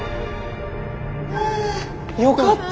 よかった！